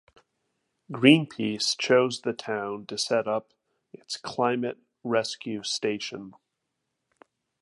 Greenpeace chose the town to set up its Climate Rescue Station.